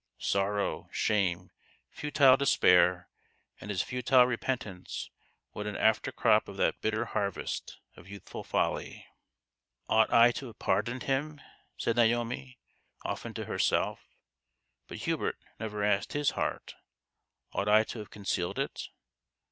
Sorrow, shame, futile despair and as futile repentance what an after crop of that bitter harvest of youthful folly !" Ought I to have pardoned him ?" said Naomi, often to herself; but Hubert never asked his heart :" Ought I to have concealed it